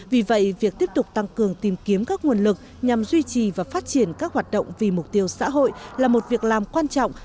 vì vậy việc tiếp tục tăng cường tìm kiếm các nguồn lực nhằm duy trì và phát triển các hoạt động vì mục tiêu xã hội là một việc làm quan trọng